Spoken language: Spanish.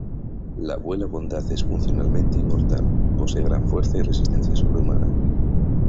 La Abuela Bondad es funcionalmente inmortal, posee gran fuerza y resistencia sobrehumana.